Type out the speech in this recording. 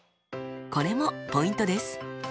これもポイントです。